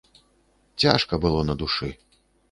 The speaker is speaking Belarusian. Цяжка было на душы.